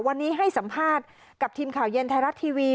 วันนี้ให้สัมภาษณ์กับทีมข่าวเย็นไทยรัฐทีวี